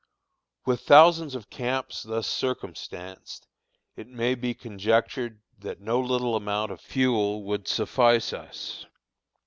With thousands of camps thus circumstanced, it may be conjectured that no little amount of fuel would suffice us.